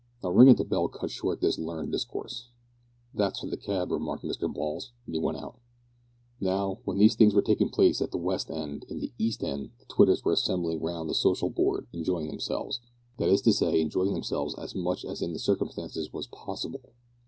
A ring at the bell cut short this learned discourse. "That's for the cab," remarked Mr Balls as he went out. Now, while these things were taking place at the "West End," in the "East End" the Twitters were assembled round the social board enjoying themselves that is to say, enjoying themselves as much as in the circumstances was possible.